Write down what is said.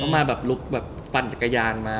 มาแบบลุกแบบปั่นจักรยานมา